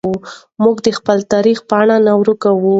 موږ د خپل تاریخ پاڼې نه ورکوو.